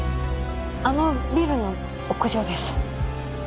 あのビルの屋上です。